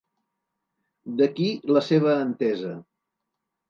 D'aquí la seva entesa.